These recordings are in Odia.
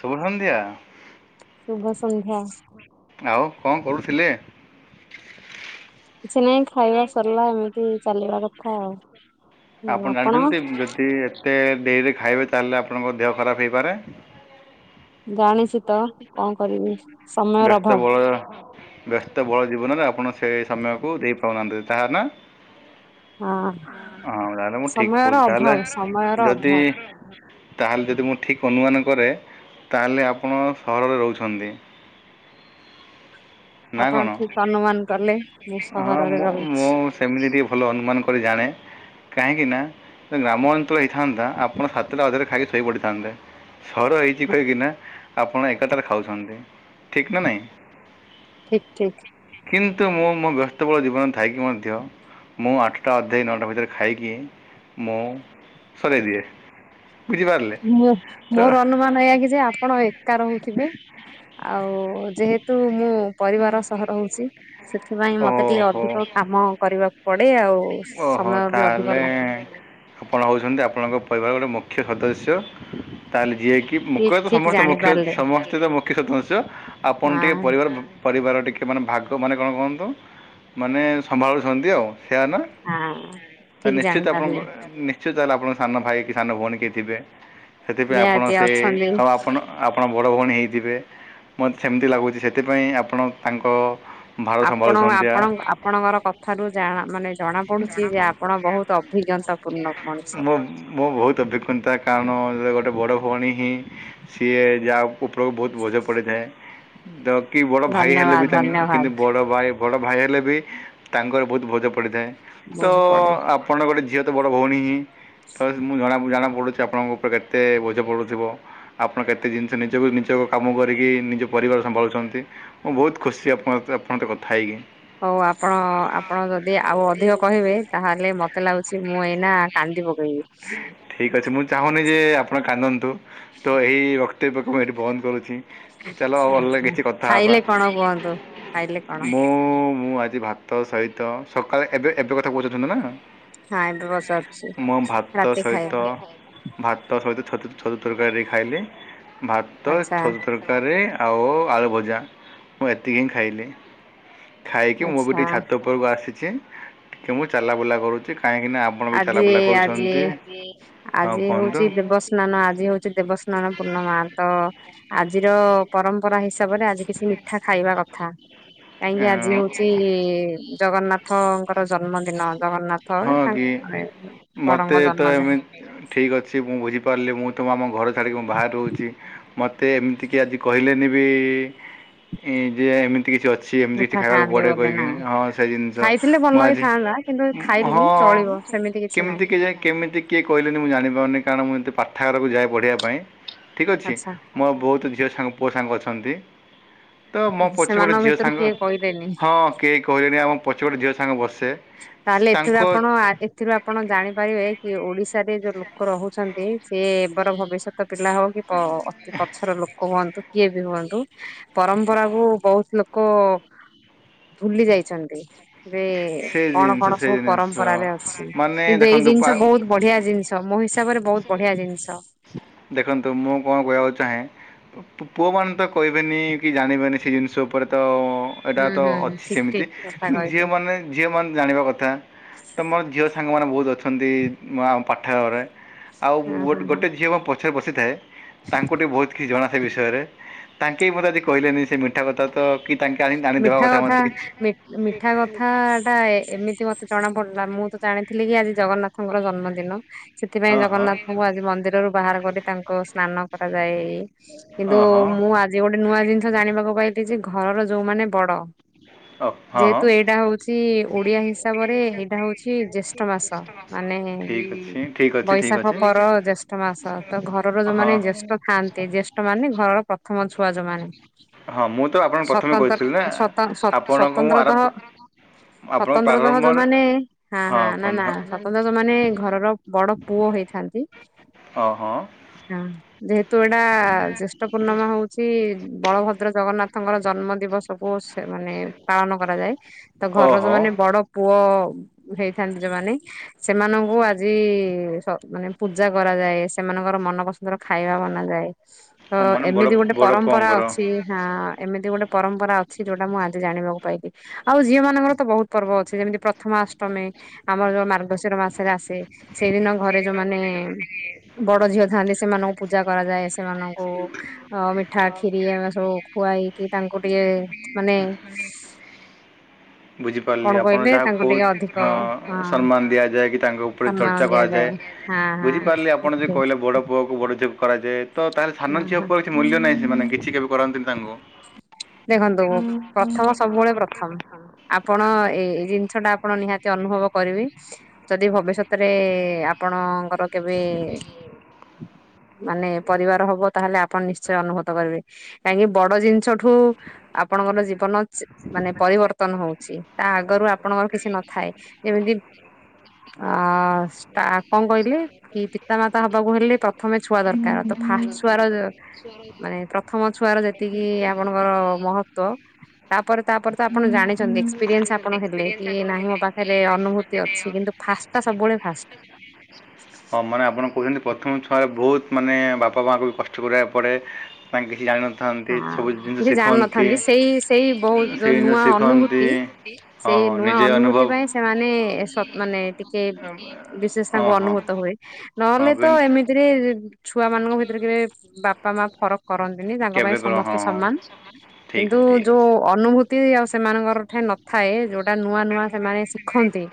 ଶୁଭ ସନ୍ଧ୍ୟା। ଶୁଭ ସନ୍ଧ୍ୟା। ଆଉ କଣ କରୁଥିଲେ? କିଛି ନାଇଁ ଖାଇବା ସରିଲା ଏମିତି ଚାଲିବା କଥା ଆଉ। ଆପଣ ଜାଣିଛନ୍ତି ଯଦି ଏତେ ଡେରେ ଖାଇବେ ତାହେଲେ ଆପଣଙ୍କ ଦେହ ଖରାପ ହେଇପାରେ। ଜାଣିଛି। ତ କଣ କରିବି ସମୟର ବ୍ୟସ୍ତ ଅଭାବ ବହୁଳ ବ୍ୟସ୍ତ ବହୁଳ ଜୀବନରେ ଆପଣ ସେ ସମୟକୁ ଦେଇପରାନ୍ତୁ ଯାହାର ନା ହଁ। ହଁ ତାହେଲେ ମୁଁ ଠିକ ସମୟର କହୁଛି ତାହେଲେ ଅଭାବ ସମୟର ଯଦି ଅଭାବ ତାହେଲେ ଯଦି ମୁଁ ଠିକ ଅନୁମାନ କରେ ତାହେଲେ ଆପଣ ସହରରେ ରହୁଛନ୍ତି। ନା ଆପଣ କଣ ଠିକ ଅନୁମାନ କଲେ ମୁଁ ହଁ ସହରରେ ମୁଁ ରହୁଛି। ମୁଁ ସେ ସେମିତି ଟିକେ ଭଲ ଅନୁମାନ କରି ଜାଣେ। କାହିଁକି ନା ଗ୍ରାମ ଅଞ୍ଚଳ ହେଇଥାନ୍ତା ଆପଣ ସାତଟା ଅଧରେ ଖାଇକି ଶୋଇ ପଡିଥାନ୍ତେ। ସହର ଏଇଥି ପାଇଁ କିନା ଆପଣ ଏଗରଟା ରେ ଖାଉଛନ୍ତି ଠିକ ନା ନାଇଁ। ଠିକ ଠିକ। କିନ୍ତୁ ମୁଁ ମୋ ବ୍ୟସ୍ତବହୁଳ ଜୀବନ ଥାଇକି ମଧ୍ୟ ମୁଁ ଆଠଟା ଅଧେ ନଅଟା ଭିତରେ ଖାଇକି ମୁଁ ସରେଇ ଦିଏ। ବୁଝିପାରିଲେ ମୁଁ ତ ମୋର ଅନୁମାନ ଏୟା କି ଯେ ଆପଣ ଏ ଏକା ରହୁଥିବେ ଆଉ ଯେହେତୁ ତୁ ମୁଁ ପରିବାର ସହ ହହୁଛି ସେଥିପାଇଁ ମତେ ଟିକେ ଓହୋ ଅଧିକ କାମ କରିବାକୁ ପଡେ ଆଉ। ଓହୋ ସମୟ ବି ଅଧିକ ତାହଲେ ଲାଗେ। ଆପଣ ହେଉଛନ୍ତି ଆପଣଙ୍କ ପରିବାର ଗୋଟେ ମୁଖ୍ୟ ସଦସ୍ୟ ତହେଲେ ଯିଏକି କି ଠିକ ମୁଖ୍ୟ ତ ଠିକ ସମସ୍ତେ ମୁଖ୍ୟ ଜାଣିପାରିଲେ ସମସ୍ତେ ତ ମୁଖ୍ୟ ସଦସ୍ୟ ଆପଣ ହଁ ଟିକେ ପରିବାର ପରିବାର ଟିକେ ମାନେ ଭାଗ ମାନେ କଣ କୁହନ୍ତୁ ମାନେ ସମ୍ଭାଳୁଛନ୍ତି ଆଉ। ସେୟା ନା ହଁ ତା ଠିକ ନିଶ୍ଚିତ ଆପଣଙ୍କ ଜାଣିପାରିଲେ ନି ସିଏ ତାହେଲେ ଆପଣ ସାନ ଭାଇ କି ସାନ ଭଉଣୀ କିଏ ଥିବେ ସେଥିପାଇଁ ଆପଣ ନିହାତି ସେ ଅଛନ୍ତି। ହଁ ଆପଣ ଆପଣ ବଡ଼ ଭଉଣୀ ହେଇଥିବେ ମୋତେ ସେମିତି ଲାଗୁଛି ସେଥିପାଇଁ ଆପଣ ତାଙ୍କ ଘର ଆପଣ ସମ୍ଭାଳୁଛନ୍ତି ଆ। ଆପଣ ଆପଣଙ୍କର କଥାରୁୁ ଜାଣା ମାନେ ଜଣା ପଡୁଛି ଯେ ଆପଣ ବହୁତ ଅଭିଜ୍ଞତା ପୂର୍ଣ୍ଣ ମଣିଷ। ମୁଁ ବହୁତ ଅଭିଜ୍ଞତା କାରଣ ଗୋଟେ ବଡ଼ ଭଉଣୀ ହିଁ ସିଏ ଯାହା ଉପରକୁ ବହୁତ ବୋଝ ପଡିଥାଏ। ତ କି ବଡ ଭାଇ ହେଲେ ଧନ୍ୟବାଦ ବି ତଙ୍କ ଧନ୍ୟବାଦ କିନ୍ତୁ ବଡ ଭାଇ ବଡ଼ ଭାଇ ହେଲେ ବି ତାଙ୍କର ବହୁତ ଭୋଜ ପଡ଼ିଥାଏ। ତ ବୁଝି ପଡେ। ଆପଣର ଗୋଟେ ଝିଅ ତ ବଡ଼ ଭଉଣୀ ହିଁ ତ ମୁଁ ଜଣା ଜଣାପଡ଼ୁଛି ଆପଣଙ୍କ ଉପରେ ତେ ବୋଝ ପଡ଼ୁଥିବ। ଆପଣ କେତେ ଜିନିଷ ନିଜକୁ ନିଜ କାମ କରିକି ନିଜ ପରିବାର ସମ୍ଭାଳୁଛନ୍ତି। ମୁଁ ବହୁତ ଖୁସି ଆପଣ ତ ଆପଣ ତ କଥା ହେଇକି। ହଉ ଆପଣ ଆ ଆପଣ ଯଦି ଆଉ ଅଧିକ କହିବେ ତାହେଲେ ମତେ ଲାଗୁଛି ମୁଁ ଏଇନା କାନ୍ଦି ପକେଇବି। ଠିକ ଅଛି ମୁଁ ଚାହୁଁନି ଯେ ଆପଣ କାନ୍ଦନ୍ତୁ ତ ଏହିଇ ବକ୍ତବ୍ୟକୁ ମୁଁ ଏଇଠି ବନ୍ଦ କରୁଛି। ଚାଲ ଆଉ ଅଲଗ ଆଚ୍ଛା। କିଛି କଥା ହବା ଖାଇଲେ କଣ କୁହନ୍ତୁ ଖାଇଲେ କଣ ମୁଁ ମୁଁ ଆଜି ଭାତ ତ ସହିତ ସକାଳେ ଏବେ ଏବେ କଥା କହୁଛନ୍ତି ନା? ହଁ ଏବେ ପଚାରୁଛି। ମୁଁ ଭାତ ରାତି ସହିତ ଖାଇବା ଭାତ ତ ସତ ଛତୁ ଛତୁ ତରକାରୀ ଖାଇଲି ଭାତ ଆଚ୍ଛା ଛତୁ ତରକାରୀ ତରକାରୀ ଆଉ ଆଳୁ ଭଜା ମୁଁ ଏତିକି ହିଁ ଖାଇଲି। ଖାଇକି ମୁଁ ବି ଆଚ୍ଛା ଟିକେ ଛାତ ଉପରକୁ ଆସିଛି ଟିକେ ମୁଁ ଚାଲା ବୁଲା କରୁଛି କାହିଁକି ନା ଆଜି ଆଜି ହଁ ଆଜି କୁହନ୍ତୁ ହଉଛି ଦେବସ୍ନାନ ଆଜି ହଉଛି ଦେବସ୍ନାନ ପୂର୍ଣ୍ଣମା। ତ ଆଜିର ପରମ୍ପରା ହିସାବରେ ଆଜି କିଛି ମିଠା ଖାଇବା କଥା। ଏଁ, ଆଜ୍ଞା ଆଜି ହଉଚି ଜଗନ୍ନାଥଙ୍କର ଜନ୍ମଦିନ। ଜଗନ୍ନାଥ ଏ ହଁ କି ତାଙ୍କ ମାନେ ମତେ ବଡଙ୍କ ତ ଜନ୍ମଦିନ ଏମିତ୍ ଠିକ୍ ଅଛି ମୁଁ ବୁଝିପାରିଲି ମୁଁ ତୁମ ଆମ ଘର ଛାଡ଼ିକି ମୁଁ ବାହାରେ ରହୁଚି। ମତେ ଏମତିକି ଆଜି କହିଲେନି ବି କି ଯେ ଏମିତ୍ ଏଠି କିଛି ଅଛି ଏମତି କିଛି ମିଠା ଖାଇବାକୁ ଖାଆନ୍ତି ପଡ଼େ ବୋଧେ ନା। କହିକିନି ହଁ ସେ ଜିନିଷ ଖାଇଥିଲେ ଭଲ ମୁଁ ଆଜି ହେଇଥାନ୍ତା କିନ୍ତୁ ଖାଇଲିନି ହଁ ଚଳିବ ସେମିତି କିଛି କେମିତି ନାହିଁ। କେଯାଏ କେମିତି? କିଏ କହିଲେନି ମୁଁ ଜାଣିପାରୁନି କାରଣ ମୁଁ ଏତେ ପାଠାଗାରକୁ ଯାଏ ପଢ଼ିବା ପାଇଁ। ଠିକ୍ ଅଛି। ଆଚ୍ଛା ମୋ ବହୁତ ଝିଅ ସାଙ୍ଗ ପୁଅ ସାଙ୍ଗ ଅଛନ୍ତି। ତ ମୋ ପଛେ ଗୋଟେ ସେମାନଙ୍କ ଝିଅ ଭିତରୁ ସାଙ୍ଗ କିଏ କହିଲେନି। ହଁ କେହି କହିଲେନି ଆଉ ମୋ ପଛେ ଗୋଟେ ଝିଅ ସାଙ୍ଗ ବସେ। ତାଏଲେ ଏଥିରୁ ତାଙ୍କ ଆପଣ ଆ ଏଥିରୁ ଆପଣ ଜାଣିପାରିବେ କି ଓଡିଶାରେ ଯୋଉ ଲୋକ ରହୁଛନ୍ତି ସିଏ ଏବର ଭବିଷ୍ୟତ ପିଲା ହଉ କି ଅ-ଅ ଅତି ପଛର ଲୋକ ହୁଅନ୍ତୁ କିଏ ବି ହୁଅନ୍ତୁ। ପରମ୍ପରା କୁ ବହୁତ୍ ଲୋକ ଭୁଲି ଯାଇଚନ୍ତି। ବେ ସେ କଣ ଜିନିଷ କଣ ସେ ସବୁ ଜିନିଷ ପରମ୍ପରାରେ ଅଛି। ମାନେ କିନ୍ତୁ ଏଇ ଦେଖନ୍ତୁ ପା ଜିନିଷ ବହୁତ୍ ବଢିଆ ଜିନିଷ। ତ ମୋ ହିସାବରେ ବହୁତ ବଢିଆ ଜିନିଷ। ଦେଖନ୍ତୁ ମୁଁ କଣ କହିବାକୁ ଚାହେଁ? ପୁଅ ମାନେ ତ କହିବେନି କି ଜାଣିବେନି ସେ ଜିନିଷ ଉପରେ ତ ଏଇଟା ହୁଁ ତ ହୁଁ ଅଛି ଠିକ ସେମତି ଠିକ କଥା କିନ୍ତୁ କହିଲେ। ଝିଅମାନେ ଝିଅମାନେ ଜାଣିବା କଥା। ତ ମୋର ଝିଅ ସାଙ୍ଗମାନେ ବହୁତ ଅଛନ୍ତି। ମୁଁ ଆମ ପାଠାଗରେ ଆଉ ହଁ ମୁଁ ହଁ ଗୋଟେ ହଁ। ଗୋଟେ ଝିଅ ମୋ ପଛ୍ ପଛେ ବସିଥାଏ। ତାଙ୍କୁ ଟିକେ ବହୁତକି ଜଣା ସେ ବିଷୟରେ ତାଙ୍କେ ମୋତେ ଆଜି କହିଲେନି ସେ ମେଣ୍ଟ୍ ଥେବତାତ କି ତାଙ୍କେ ଆଣି ଆଣିଦେବା ମିଠା କଥା ମତେ କିଛି କାଡ଼ାଏ ଏମିତି ମତେ ଜଣା ପଡିଲା ମୁଁ ତ ଜାଣିଥିଲି କି ଆଜି ଜଗନ୍ନାଥଙ୍କର ଜନ୍ମଦିନ। ସେଥିପାଇଁ ହଁ ହଁ ଜଗନ୍ନାଥଙ୍କୁ ଆଜି ମନ୍ଦିରରୁୁ ବାହାର କରି ତାଙ୍କ ସ୍ନାନ କରାଯାଏ। କିନ୍ତୁ ଓହୋ ମୁଁ ଆଜି ଗୋଟେ ନୂଆ ଜିନିଷ ଜାଣିବାକୁ ପାଇଲି ଯେ ଘରର ଯୋଉମାନେ ବଡ ଓ ହଁ ଯେହେତୁ ଏଇଟା ହଉଚି ଓଡିଆ ହିସାବରେ ଏଇଟା ହଉଚି ଜ୍ୟେଷ୍ଠ ମାସ। ମାନେ ଠିକ୍ ଅଛି ଠିକ୍ ଅଛି ଠିକ୍ ବୈଶାଖ ଅଛି ପର ଜ୍ୟେଷ୍ଠ ମାସ ତ ଘରର ହଁ। ଯୋଉମାନେ ଜ୍ୟେଷ୍ଠ ଥାଆନ୍ତି ଜ୍ୟେଷ୍ଠ୍ ଟ ମାନେ ଘରର ପ୍ରଥମ ଛୁଆ ଯୋଉ ମାନେ। ହଁ ମୁଁ ତ ଆପଣଙ୍କୁ ପ୍ରଥମେ କହିଥିଲି ନା ସ୍ଵତନ୍ତ୍ର ସତନ୍ ସତ ଆପଣଙ୍କୁ ମୁଁ ସ୍ବତନ୍ତ୍ରତଃ ଆରମ୍ଭ ଆପଣଙ୍କ ସ୍ଵତନ୍ତ୍ରତଃ ପ୍ରାରମ୍ଭରେ ଯୋଉମାନେ ହାଁ ହଁ ହାଁ ନା ନା କୁହନ୍ତୁ ସ୍ଵତନ୍ତ୍ର ଯୋଉମାନେ ଘରର ବଡ ପୁଅ ହେଇଥାନ୍ତି। ହଁ ହଁ। ହଁ ଯେହେତୁ ଏଇଟା ଜ୍ୟେଷ୍ଠ ପୂର୍ଣ୍ଣମା ହଉଚି ବଳଭଦ୍ର, ଜଗନ୍ନାଥ ତାଙ୍କର ଜନ୍ମ ଦିବସକୁ ସେ ମାନେ ପାଳନ କରାଯାଏ। ତ ଘରର ଯୋଉ ଓହୋ ମାନେ ବଡ ପୁଅ ହେଇଥାନ୍ତି ଯୋଉମାନେ ସେମାନଙ୍କୁ ଆଜି ମାନେ ପୂଜା କରାଯାଏ। ସେମାନଙ୍କର ମନ ପସ୍ ନ୍ଦର ଖାଇବା ବନାଯାଏ। ତ ମାନେ ବଡ଼ ଏମିତି ଗୋଟେ ବଡ଼ ପରମ୍ପରା ପୁଅଙ୍କର ଅଛି। ହାଁ ଏମିତି ଗୋଟେ ପରମ୍ପରା ଅଛି ଯୋଉଟା ମୁଁ ଆଜି ଜାଣିବାକୁ ପାଇଚି। ଆଉ ଝିଅ ମାନଙ୍କର ତ ବହୁତ ପର୍ବ ଅଛି ଯେମିତି ପ୍ରଥମାଅଷ୍ଟମୀ। ଆମର ଯୋଉ ମାର୍ଗଶିର ମାସେରେ ଆସେ। ସେଇଦିନ ଘରେ ଯୋଉମାନେ ବଡ ଝିଅ ଥାଆନ୍ତି ସେମାନଙ୍କୁ ପୂଜା କରାଯାଏ। ସେମାନଙ୍କୁ ହଁ ମିଠା ଖିରି ଏଆମା ସବୁ ଖୁଆଇକି ତାଙ୍କୁ ଟିକେ ମାନେ କଣ ବୁଝିପାରିଲି ଆପଣ କହିଲେ ଯାହାକୁ ତାଙ୍କୁ ଟିକେ କୋହୁ ଅଧିକ ହଁ ସମ୍ମାନ ଦିଆଯାଏ କି ତାଙ୍କ ଉପରେ ଚର୍ଚ୍ ସମ୍ମାନ ଟା ଦିଆଯାଏ କରାଯାଏ। ହଁ ହଁ ବୁଝିପାରିଲି ଠିକ ଆପଣ ଯେ ଠିକ କହିଲେ ବଡ ପୁଅକୁ ବଡ ଝିଅକୁ କରାଯାଏ ତ ତାହେଲେ ସାନ ହଁ ଝିଅ ହଁ ଉପରେ କିଛି ମୂଲ୍ୟ ନାହିଁ ସେମାନେ କିଛି କେବେ କରନ୍ତିିନି ତାଙ୍କୁ। ଦେଖନ୍ତୁ ପ୍ରଥମ ସବୁବେଳେ ପ୍ରଥମ୍। ଆପଣ ଏଇ ଜିନିଷ ଟା ଆପଣ ନିହାତି ଅନୁଭବ କରିବି। ଯଦି ଭବିଷ୍ୟତରେ ଆପଣଙ୍କର କେବେ ମାନେ ପରିବାର ହବ ତାହେଲେ ଆପଣ ନିଶ୍ଚୟ ଅନୁଭୂତ କରିବେ। କାହିଁକି ବଡ ଜିନ୍ ଷ ଠୁ ଆପଣଙ୍କର ଜୀବନ ମାନେ ପରିବର୍ତ୍ତନ ହଉଚି ତା ଆଗରୁ ଆପଣଙ୍କର କିଛି ନଥାଏ। ଯେମିତି ଆମ ଷ୍ଟା କଁ କହିଲେ କି ପିତାମାତା ହବାକୁ ହେଲେ ପ ପ୍ରଥମେ ଛୁଆ ଦରକାର। ତ ଫାଷ୍ଟ୍ ଛୁଆର ମାନେ ପ୍ରଥମ ଛୁଆର ଯେତିକି ମହତ୍ତ୍ୱ ତାପରେ ତାପରେ ତ ଆପଣ ଜାଣିଚନ୍ତି ଏକ୍ସପିରିଏନ୍ସ୍ ଆପଣ ହେଲେ କି ନାହିଁ ମୋ ପାଖ୍ ରେ ଅନୁଭୂତି ଅଛି କିନ୍ତୁ ଫାଷ୍ଟ୍ ଟା ସବୁବେଳେ ଫାଷ୍ଟ୍। ହଁ ମାନେ ଆପଣ କହୁଚନ୍ତି ପ୍ରଥମ ଛୁଆରେ ବହୁତ ମାନେ ବାପା ମାଆଙ୍କୁ ବି କଷ୍ଟ କରିବାକୁ ପଡ଼େ। ପାଇଁ କିଛି ଜାଣିନଥାନ୍ତି। ହଁ ସବୁ ଜିନିଷ କିଛି ଶିଖନ୍ତି ଜାଣିିନଥାନ୍ତି ସେଇ ସେଇ ବହୁ ସେ ଯୋଉ ଜିନିଷ ନୂଆ ଶିଖନ୍ତି ଅନୁଭୂତି ହଁ ସେଇ ହଁ ନୂଆ ନିଜେ ଅନୁଭୂତି ଅନୁଭବ ପାଇଁ ସେମାନେ ସକ୍ ମାନେ ଟିକ୍ କେ ବିଶେଷ ହଁ ତାଙ୍କୁ ହଁ ଅନୁଭୂତ ହୁଏ ହଁ ନହେଲେ ତ କିନ୍ତୁ ଏମିତ୍ ତିରେ ଛୁଆ ମାନଙ୍କ ଭିତରେ କେବେ ବାପା ମାଆ ଫରକ୍ କରନ୍ତିନି ତାଙ୍କ ପାଇଁ କେବେ କର ସମସ୍ତେ ହଁ ହଁ ସମାନ। ଠିକ୍ କିନ୍ତୁ ଅଛି ଠିକ୍ ଯୋଉ ଅଛି ଅନୁଭୂତ୍ ତି ଆଉ ସେମାନଙ୍କର ଠେଁ ନଥାଏ ଯୋଉଟା ନୂଆ ନୂଆ ସେମାନେ ଶିଖନ୍ତି।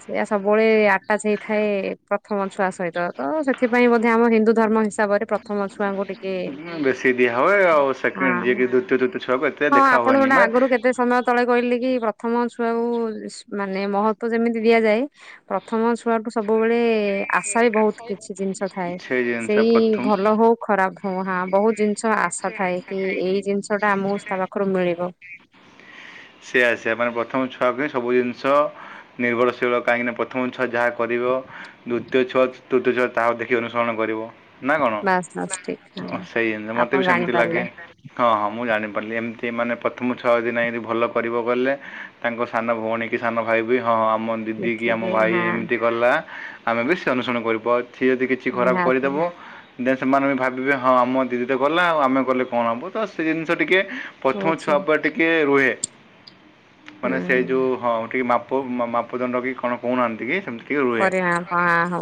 ସେଇଆ ସବୁବଳେ ଆଟାଚ୍ ହେଇଥାଏ ପ୍ରଥମ ଛୁଆ ସହିତ ତ ସେଥିପାଇଁ ବୋଧେ ଆମ ହିନ୍ଦୁ ଧର୍ମ ହିସାବରେ ପ୍ରଥମ ଛୁଆଙ୍କୁ ଟିକେ ସିଏ ଦିଆ ହୁଏ ଆଉ ହଁ ସେକେଣ୍ଡ୍ ଯିଏକି ଦୁତିୟ ତୃତୀୟ ଛୁଆକୁ ଏତେ ଦେଖା ହୁଏନି। ତେ ସମୟ ତଳେ କହିଲି କି ପ୍ରଥମ ଛୁଆକୁ ମାନେ ମହତ୍ତ୍ଵ ଯେମିତି ଦିଆଯାଏ ପ୍ରଥମ ଛୁଆଠୁ ସବୁବେଳେ ଆଶା ବି ବହୁତ୍ କିଛି ଜିନିଷ ଥାଏ। ସେ ଜିନିଷ ସେଇ ପ୍ରଥମ ଭଲ ହଉ ଖରାପ୍ ହଁ ହାଁ ବହୁତ୍ ଜିନିଷ ଆଶା ଥାଏ କି ଏଇ ଜିନିଷ ଟା ଆମକୁ ତା ପାଖୁରୁ ମିଳିବ। ସେଆ ସେମାନେ ପ୍ରଥମ ଛୁଆକୁ ସବୁ ଜିନଷ ନିର୍ଭରଶୀଳ କାହିଁକି ନା ପ୍ରଥମ ଛୁଆ ଯାହା କରିବ ଦୁତୀୟ ଛୁଆ ତୃତୀୟ ଛୁଆ ତାହାକୁ ଦେଖି ଅନୁସରଣ କରିବ। ନା କଣ? ବାସ୍ ବାସ୍ ଠିକ ହଁ ସେଇ ଜିନିଷ ମତେ ଆପଣ ବି ସେମିତି ଜାଣିପାରିଲେ ଲାଗେ। ହଁ ହଁ ମୁଁ ଜାଣିପାରିଲି ଏମିତି ମାନେ ପ୍ରଥମ ଛଅ ଦିନ ଏମତି ଭଲ କରିବ ବଲେ ତାଙ୍କ ସାନ ଭଉଣୀ କି ସାନ ଭାଇ ବି ହଁ ଆମନ୍ ଦିଦି କି ଆମ ଦେଖିକି ଭାଇ ହଁ ଏମିତି କଲା ଆମେ ବେଶୀ ଅନୁସରଣ କରିପାର୍ ସିଏ ଯେଦି କିଛି ଖରାପ ନିହାତି କରିଦେବ, ଦେନ୍ ସେମାନେ ବି ଭାବିବେ ହଁ ଆମ ଦିଦି ତେ ଗଲା ଆଉ ଆମେ ଗଲେ କଣ ହବ? ତ ସେ ଜିନଷ ଟିକେ ପ୍ରଥମ ହଉଛି ଛୁଆପାଆ ଟିକ୍ କେ ରୁହେ। ମାନେ ହୁଁ ସେ ଯୋଉ ହଁ କେଇ ମାପ ମା-ମାପଦଣ୍ଡ କି କଣ କହୁନାହାନ୍ତି କି? ସେମତି। କିଏ ହୁଏ? ପରିମାଣ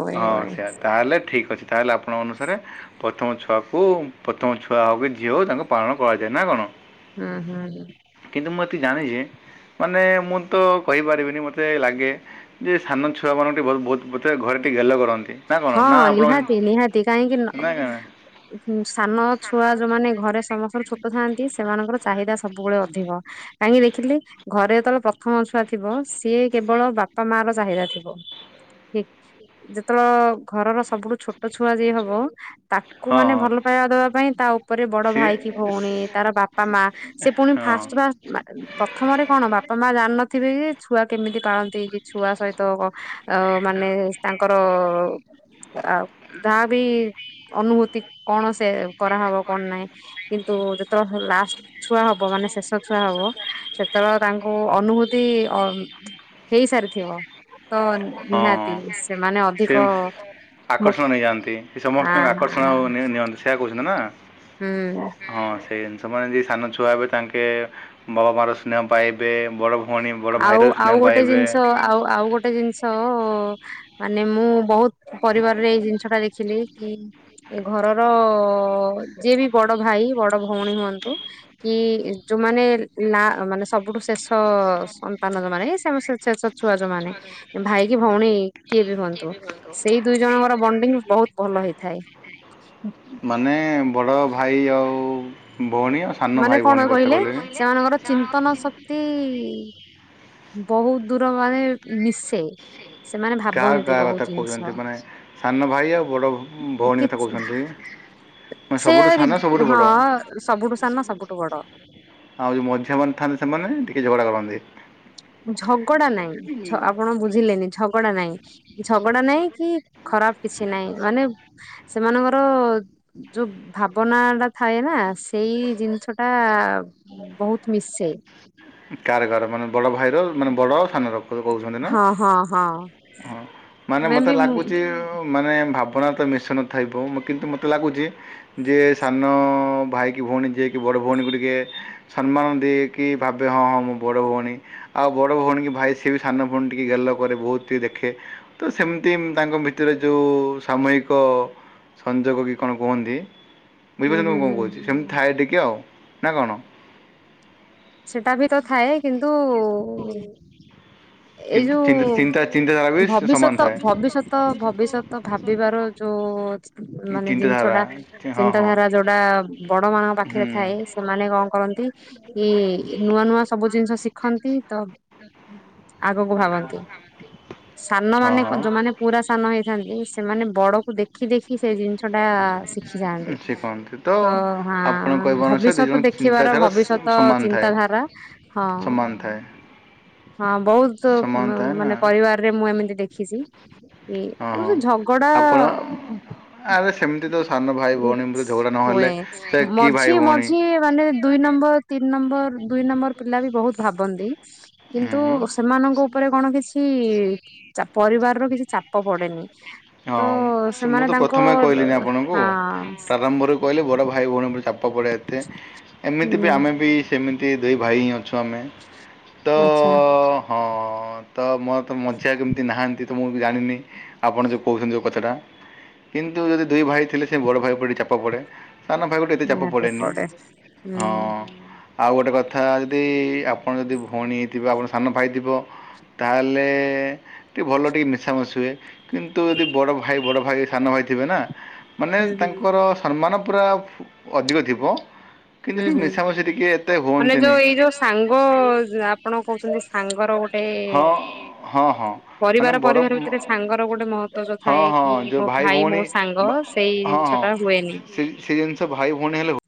ହୁଏ ହଁ ହୁଏ ସେଆ। ତାହାଲେ ଠିକ୍ ଅଛି। ତାହାଲେ ଆପଣ ଅନୁସାରେ ପ୍ରଥମ ଛୁଆକୁ ଉମ୍ ପ୍ରଥମ ଛୁଆ ହଉ କି ଝିଅ ହଉ ତାଙ୍କୁ ପାଳନ କରାଯାଏ। ନା କଣ? ହୁଁ ହୁଁ ହୁଁ। କିନ୍ତୁ ମୁଁ ଏତିକି ଜାଣିଚି ମାନେ ମୁଁ ତ କହିପାରିବିନି ମତେ ଲାଗେ ଯେ ସାନ ଛୁଆମାନଙ୍କୁ ଟିକେ ବହୁତ୍ ବହୁତ୍ ବୋଥେ ଘରେ ଟିକେ ଗେଲ କରନ୍ତି। ନା କ'ଣ ନା ହଁଁ ଆପଣ ଲିହାତି ନିହାତି କାହିଁକି ନା କାଣ? ନହବ୍ ହୁଁ ସାନଛୁଆ ଯୋଉମାନେ ଘରେ ସମସ୍ତଙ୍କରୁ ଛୋଟ ଥାଆନ୍ତି, ସେମାନଙ୍କର ଚାହିଦା ସବୁବେଳେ ଅଧିକ। କାହିଁକି ଦେଖିଲେ, ଘରେ ଯେତବେଳେ ପ୍ରଥମ ଛୁଆ ଥିବ, ସିଏ କେବଳ ବାପା ମାଆର ଚାହିଦା ଥିବ। ଠିକ୍ ଯେତବେଳ ଘ ଘରର ସବୁଠୁ ଛୋଟଛୁଆ ଯିଏ ହବ ତାକୁ ହଁ ମାନେ ହଁ ଭଲ ପାଇବା ଦେବା ପାଇଁ ତା ଉପ ଉପରେ ବଡ ସିଏ ଭାଇ କି ଭଉଣୀ, ତାର ବାପା ମାଆ, ସେ ପୁଣି ହଁ ଫାଷ୍ଟ୍ ଫାଷ୍ଟ୍ ପ୍ରଥମରେ କଣ ବାପା ମା ଜାଣିନଥିବେ, ଯେ ଛୁଆ କେମିତି ପାଳନ୍ତି କି ଛୁଆ ସହିତ ଆ ମାନେ ତାଙ୍କର ଆଉ ଯାହା ବି ଅନୁଭୂତି କଣ ସେ କରାହବ କଣ ନାଇଁ କିନ୍ତୁ ଯେତବ ହେଲେ ଲାଷ୍ଟ୍ ଛୁଆ ହବ ମାନେ ଶେଷ ଛୁଆ ହବ। ସେତବେଳେ ତାଙ୍କୁ ଅନୁଭୂତି ଅ ହେଇସାରିଥିବ। ତ ହଁ ନିହାତି ହଁ ସେମାନେ ସେ ଅଧିକ ମୁ ଆକର୍ଷଣ ନେଇଯାଆନ୍ତି ଆ ସମସ୍ତଙ୍କୁ ଆକର୍ଷଣ ନିଅନ୍ତି ସେଆ କହୁଛନ୍ତି ନା? ହୁଁ। ହଁ ସେଇ ଜିନିଷମାନେ ଯି ସାନ ଛୁଆ ହେବେ ତାଙ୍କେ ବାବା ମାର ସ୍ନେହ ପାଇବେ ବଡ ଆଉ ଆଉ ଗୋଟେ ଜିନିଷ ଆଉ ଆଉ ଗୋଟେ ଜିନିଷ ତ ମାନେ ମୁଁ ବହୁତ ପରିବାରରେ ଏଇ ଜିନିଷ ଟା ଦେଖିଲି ଘରର ଯିଏ ବି ବଡ ଭାଇ ବଡ ଭଉଣୀ ହୁଅନ୍ତୁ କି ଯୋଉମାନେ ମାନେ ସବୁଠୁ ଶେଷ ସନ୍ତାନ ଯୋଉ ମମାନେ ଛୁଆ ଯୋଉ ମାନେ ଭାଇ କି ଭଉଣୀ କିଏ ବି ହୁଅନ୍ତୁ। ସେଇ ଦୁଇ ଜଣଙ୍କର ବଣ୍ଡିଙ୍ଗ ବହୁତ ଭଲ ହେଇଥାଏ। ମାନେ ବଡ଼ ଭାଇ ଆଉ ଭଉଣୀ ସାନ ମାନେ ଭାଇ ଭଉଣୀ କଣ କଥା କହିଲେ କହିଲେନି ସେମାନଙ୍କର ଚିନ୍ତନ ଶକ୍ତି ବହୁତ ଦୂର ମାନେ ମିଶେ। ସେମାନେ କାହା ଭାବନ୍ତି କାହା ବହୁତ କଥା ଜିନିଷ କହୁଛନ୍ତି, ମାନେ ସାନ ଭାଇ ଆଉ ବଡ଼ ଭଉଣୀ କଥା କହୁଛନ୍ତି? ମାନେ ସେ ସବୁଠୁ ଆରି, ସାନ ସବୁଠୁ ହଁ ବଡ଼ ସବୁଠୁ ସାନ ସବୁଠୁ ବଡ। ଆଉ ଯେଉଁ ମଝିଆମାନେ ଥାଆନ୍ତି ସେମାନେ ଟିକେ ଝଗଡ଼ା କରନ୍ତି। ଝଗଡା ନାଇଁ ଆପଣ ବୁଝିଲେନି ଝଗଡା ନାଇଁ ଝଗଡା ନାହିଁ କି ଖରାପ କିଛି ନାହିଁ ମାନେ ସେମାନଙ୍କର ଯୋଉ ଭାବନାଟା ଥାଏ ନା ସେଇ ଜିନିଷଟା ବହୁତ ନିଶ୍ଚଏ। କାରଗର ମାନେ ବଡ ଭାଇର ମାନେ ବଡ ସାନ ର କହୁଛନ୍ତି ନା। ହଁ ହଁ। ହଁ ମାନେ ମେ ମୋତେ ବି ହୁଁ ଲାଗୁଛି, ମାନେ ଭାବନା ତ ମିଶୁ ନଥାଇବ କିନ୍ତୁ ମୋତେ ଲାଗୁଛି। ଯିଏ ସାନ ଭାଇ କି ଭଉଣୀ ଯିଏ କି ବଡ଼ ଭଉଣୀକୁ ଟିକେ ସମ୍ମାନ ଦେଇକି ଭାବେ ହଁ ହଁ ମୁଁ ବଡ଼ ଭଉଣୀ। ଆଉ ବଡ ଭଉଣୀ କି ଭାଇ ସିଏ ବି ସାନ ଭଉଣୀ ଟିକେ ଗେଲ କରେ ବହୁତ ଟିକେ ଦେଖେ ତ ସେମିତି ତାଙ୍କ ଭିତରେ ଯେଉଁ ସାମୟିକ ସଂଯୋଗ କି କଣ କୁହନ୍ତି, ହୁଁ ବୁଝିପାରୁଛନ୍ତି ମୁଁ କଣ ହୁଁ କହୁଛି, ସେମିତି ଥାଏ ଟିକେ ଆଉ ନା କଣ? ସେଟା ବି ତ ଥାଏ କିନ୍ତୁ ଏଇ କିନ୍ତୁ ଚିନ୍ତା ଚିନ୍ତା ଚିନ୍ତାଧାରା ବି ଯୋଉ ସମାନ ଭବିଷ୍ୟତ ଥାଏ। ଭବିଷ୍ୟତ ଭବିଷ୍ୟତ ଭାବିବାର ଯୋଉ ମାନେ ଚିନ୍ତାଧାରା ଜିନିଷଟା ହଁ ହଁ ଚିନ୍ତାଧାରା ଯୋଉଟା ବଡ ମାନଙ୍କ ପାଖରେ ହୁଁ ଥାଏ ସେମାନେ କଣ କରନ୍ତି କି ନୂଆ ନୂଆ ସବୁ ଜିନିଷ ଶିଖନ୍ତି ତ ଆଗକୁ ଭାବନ୍ତି। ହଁ ସାନମାନେ ହଁ। ଯୋଉମାନେ ପୁରା ସାନ ହେଇଥାନ୍ତି, ସେମାନେ ବଡକୁ ଦେଖି ଦେଖି କି ସେ ଜିନିଷଟା ଶିଖି ଯାଆନ୍ତି, ସେ କହନ୍ତି ତ ହାଁ ଆପଣ କହିବା ଅନୁସାରେ ଭବିଷ୍ୟତ ଦୁଇ ଜଣ ଦେଖ ଦେଖିବାର ଚିନ୍ତାଧାରା ଭବିଷ୍ୟତ ସମାନ ଥାଏ। ଚିନ୍ତାଧାରା ହଁ ସମାନ ଥାଏ ହଁ ବହୁତ ସମାନ ଥାଏ ନା ମାନେ ପରିବାରରେ ମୁଁ ଏମିତି ଦେଖିଛି। ଏଇ ହଁ ଆଉ ହଁ ସେ ଝଗଡା ଆପଣ ଆରେ ସେମିତି ତ ସାନ ଭାଇ ଭଉଣୀ ଝଗଡ଼ା ନହେଲେ ହୁଏ। ସେ କି ଭାଇ ମଝି ଭଉଣୀ। ମଝିେଏ ମାନେ ଦୁଇ ନମ୍ବର ତିନି ନମ୍ବର ଦୁଇ ନମ୍ବର ପିଲା ବି ବହୁତ ଭାବନ୍ତି କିନ୍ତୁ ହୁଁ ସେମାନଙ୍କ ଉପରେ କଣ କିଛି ପରିବାର ର କିଛି ଚାପ ପଡେନି। ତ ହଁ ସେ ସେମାନେ ମୁଁ ତ ତାଙ୍କ ପ୍ରଥମେ କହିଲିନି ଆପଣଙ୍କୁ ହଁ ପ୍ରାରମ୍ଭରୁ କହିଲି ବଡ଼ ଭାଇ ଭଉଣୀ ଚାପ ପଡ଼େ। ଏମିତି ବି ହୁଁ ଆମେ ବି ସେମିତି ଦୁଇ ଭାଇ ହିଁ ଅଛୁ ଆମେ। ତ ଆଚ୍ଛା। ହଁ ତ ମୋତେ ମଝିଆ କେ ନାହାନ୍ତି ତ ମୁଁ ଜାଣିନି ଆପଣ ଯୋଉ କହୁଛନ୍ତି ଯୋଉ କଥାଟା କିନ୍ତୁ ଯଦି ଦୁଇ ଭାଇ ଥିଲେ ସେ ବଡ଼ ଭାଇ ଉପରେ ଟିକେ ଚାପ ପଡ଼େ ସାନ ଭାଇ କେତେ ଚାପ ନିହାତି ପଡ଼େନି, ପଡେ ହୁଁ ହଁ ଆଉ ଗୋଟେ କଥା ଯଦି ଆପଣ ଯଦି ଭଉଣୀ ହେଇଥିବେ ଆପଣ ସାନ ଭାଇ ଥିବ। ତାହେଲେ ଟିକେ ଭଲ ଟିକେ ମିଶାମିଶି ହୁଏ। କିନ୍ତୁ ଯଦି ବଡ଼ଭାଇ ବଡ଼ଭାଇ ସାନଭାଇ ଥିବେ ନା ମାନେ ହୁଁ ହୁଁ ତାଙ୍କର ସମ୍ମାନ ପୁରା ଅଧିକ ଥିବ। କିନ୍ତୁ ହୁଁ ଟିକେ ହୁଁ ମିଶାମିଶି ଟିକେ ଏତେ ମାନେ ହୁଅନ୍ତିନି। ଯୋଉ ଏଇ ଯୋଉ ସାଙ୍ଗ ଆପଣ କହୁଛନ୍ତି ସାଙ୍ଗର ଗୋଟେ ହଁ ହଁ ହଁ। ମାନେ ପରିବାର ବଡ, ପରିବାର ଭିତରେ ସାଙ୍ଗର ଗୋଟେ ମହତ୍ଵ ଯୋଉ ହଁ ଥାଏ ହଁ କି ଯୋଉ ମୋ ଭାଇ ମୋ ଭଉଣୀ ସାଙ୍ଗ ସେଇ ହଁ ଜିନିଷ ହଁ ଟା ହୁଏନି। ସେ ସେ ଜିନିଷ ଭାଇ ଭଉଣୀ ହେଲେ